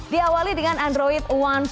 diawali dengan android satu